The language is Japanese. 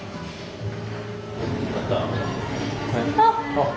あっ。